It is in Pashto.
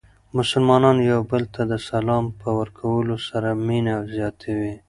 مسلمانان یو بل ته د سلام په ورکولو سره مینه زیاتوي.